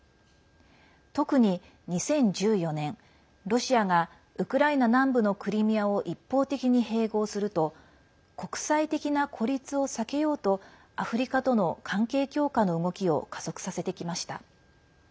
特に２０１４年、ロシアがウクライナ南部のクリミアを一方的に併合すると国際的な孤立を避けようとアフリカとの関係強化の動きを加速させてきました。